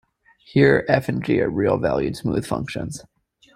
Here "f" and "g" are real-valued smooth functions.